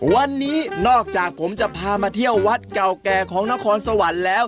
วันนี้นอกจากผมจะพามาเที่ยววัดเก่าแก่ของนครสวรรค์แล้ว